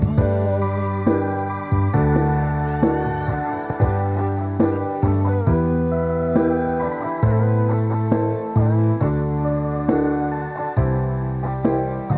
โปรดติดตามตอนต่อไป